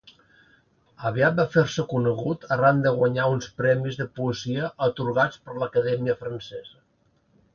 Aviat va fer-se conegut arran de guanyar uns premis de poesia atorgats per l'Acadèmia Francesa.